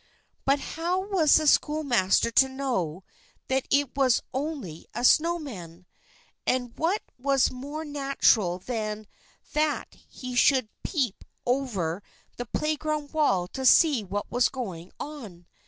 But how was the schoolmaster to know that it was only a snow man? And what was more natural than that he should peep over the playground wall to see what was going on?